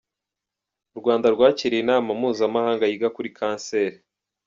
U Rwanda rwakiriye inama mpuzamahanga yiga kuri kanseri.